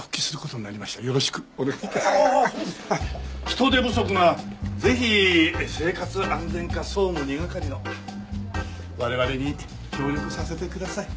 人手不足ならぜひ生活安全課総務２係の我々に協力させてください。